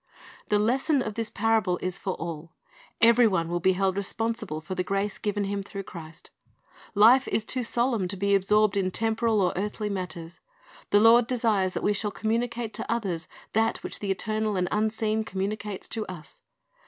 The lesson of this parable is for all. Every one will be held responsible for the grace given him through Christ. Life is too solemn to be absorbed in temporal or earthly matters. The Lord desires that we shall communicate to others that which the eternal and unseen communicates to us.